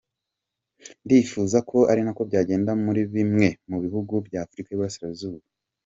Ndifuza ko ari nako byagenda muri bimwe mu bihugu by’ Afurika y’ iburasira zuba”.